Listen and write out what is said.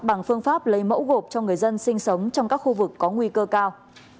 bằng phương pháp lấy mẫu gộp cho người dân sinh sống trong các khu vực có nguy cơ cao